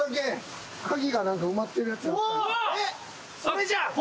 それじゃん。